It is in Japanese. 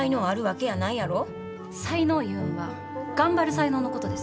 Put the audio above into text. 才能いうんは頑張る才能のことです。